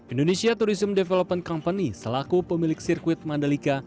indonesia tourism development company selaku pemilik sirkuit mandalika